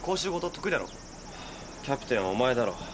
キャプテンはお前だろ。